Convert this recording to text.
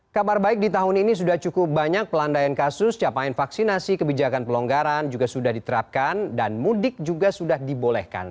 kabar baik di tahun ini sudah cukup banyak pelandaian kasus capaian vaksinasi kebijakan pelonggaran juga sudah diterapkan dan mudik juga sudah dibolehkan